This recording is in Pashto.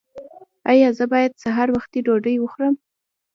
ایا زه باید سهار وختي ډوډۍ وخورم؟